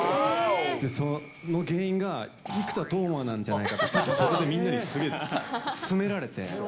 その原因が、生田斗真なんじゃないかと、さっきそででみんなにすげぇ詰められて。